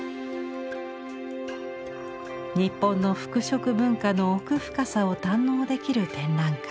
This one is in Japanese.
日本の服飾文化の奥深さを堪能できる展覧会。